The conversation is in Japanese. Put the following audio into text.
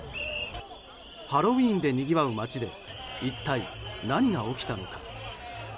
ハロウィーンでにぎわう街で一体何が起きたのか。